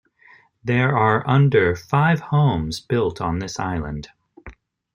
There are under five homes built on this island.